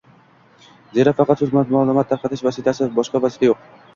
zero faqat so‘z maʼlumot tarqatish vositasi – boshqa vosita yo‘q.